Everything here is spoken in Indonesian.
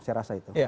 saya rasa itu